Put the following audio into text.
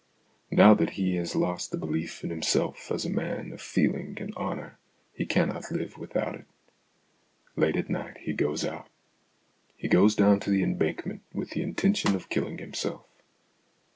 Now that he has lost the belief in himself as a man of feeling and honour he cannot live without it. Late at night he goes out. He goes down to the Embankment with the intention of killing himself.